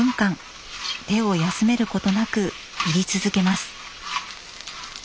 手を休めることなく炒り続けます。